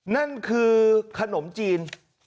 นั่นคือขนมจีน